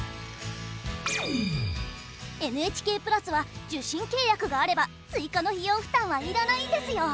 ＮＨＫプラスは受信契約があれば追加の費用負担は要らないんですよ。